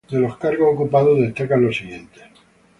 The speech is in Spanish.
De los cargos ocupados, destacan los siguientes.